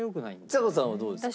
ちさ子さんはどうですか？